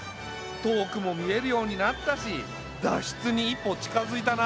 遠くも見えるようになったし脱出に一歩近づいたな。